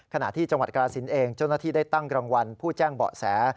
ขณะที่จังหวัดกรสินเองเจ้าหน้าที่ได้ตั้งรางวัลผู้แจ้งเบาะแส